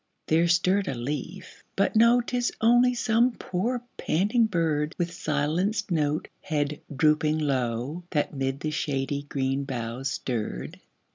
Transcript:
there stirred a leaf, but no, Tis only some poor, panting bird, With silenced note, head drooping low, That 'mid the shady green boughs stirred.